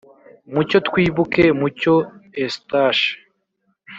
mucyo twibuke mucyo eustache